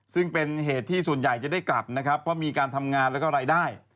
ซึ่งเป็นเหตุที่ส่วนใหญ่จะได้กลับนะครับเพราะมีการทำงานแล้วก็รายได้